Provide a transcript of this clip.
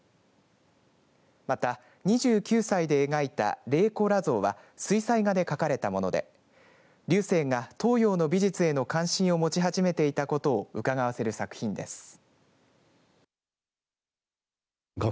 また２９歳で描いた、麗子裸像は水彩画で描かれたもので劉生が東洋の美術への関心を持ち始めていたことをうかがわせる作品です。